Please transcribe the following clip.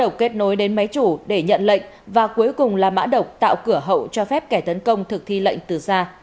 kết hợp kết nối đến máy chủ để nhận lệnh và cuối cùng là mã độc tạo cửa hậu cho phép kẻ tấn công thực thi lệnh từ xa